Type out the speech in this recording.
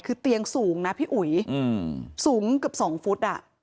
คือเตียงสูงนะพี่อุ๋ยสูงกับสองฟุตอ่ะ